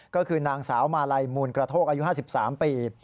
ก็คือนางสาวมาลัยมูลกระโทกอายุ๕๓ปี